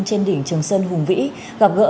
trên đỉnh trường sơn hùng vĩ gặp gỡ